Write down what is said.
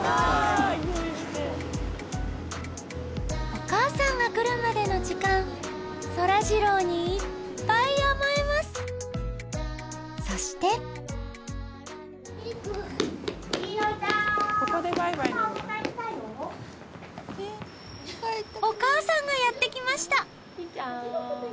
お母さんが来るまでの時間そらジローにいっぱい甘えますそしてお母さんがやって来ましたひーちゃん。